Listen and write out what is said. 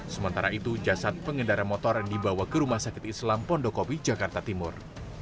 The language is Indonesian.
sementara itu jasad pengendara motor dibawa ke rumah sakit islam pondokopi jakarta timur